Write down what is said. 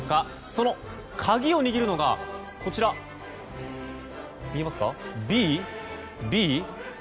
その鍵を握るのが見えますか。